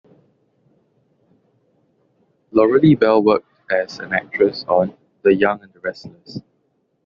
Lauralee Bell worked as an actress on "The Young and the Restless".